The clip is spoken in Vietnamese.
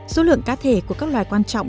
số lượng cá thể của các loài quan trọng